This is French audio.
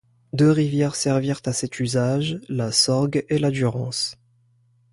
Deux rivières servirent à cet usage, la Sorgue et la Durance.